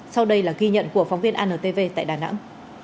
sau đây là ghi nhận của phóng viên antv tại đà nẵng